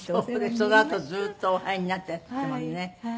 そのあとずっとお入りになってらしたもんね。